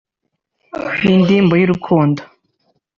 ni indirimbo y’urukundo